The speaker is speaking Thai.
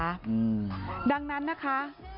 อืมดังนั้นนะคะ